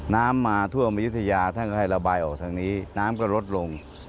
น้ำมาท่วมมยุธยาท่านก็ให้ระบายออกทางนี้น้ำก็ลดลง